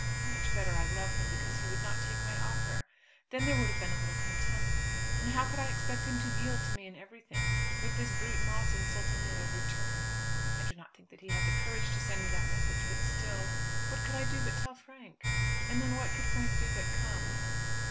How much better I love him because he would not take my offer. Then there would have been a little contempt. And how could I expect him to yield to me in everything, with this brute Moss insulting me at every turn? I do not think he had the courage to send me that message, but still! What could I do but tell Frank? And then what could Frank do but come?